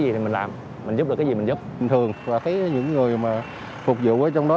gì thì mình làm mình giúp được cái gì mình giúp bình thường và thấy những người mà phục vụ ở trong đó